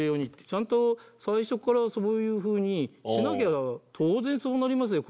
ちゃんと最初からそういうふうにしなきゃ当然そうなりますよ